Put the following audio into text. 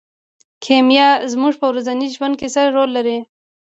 کیمیا زموږ په ورځني ژوند کې څه رول لري.